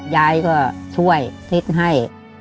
ยายก็ช่วยคิดให้